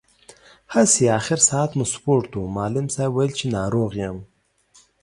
هسې، اخر ساعت مو سپورټ و، معلم صاحب ویل چې ناروغ یم.